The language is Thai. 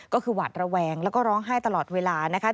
ก็คือหวาดระแวงแล้วก็ร้องไห้ตลอดเวลานะคะ